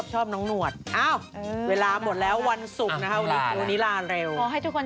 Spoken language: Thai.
ตอนนี้เรียกว่าเป็นแบบตำแหน่งเจ้าแม่พรีเซนเตอร์กันเลยทีเดียวนะคะ